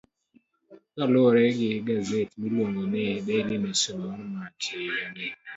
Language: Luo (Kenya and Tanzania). Kaluwore gi gaset miluongo ni Daily Nation mar Mach , e higani.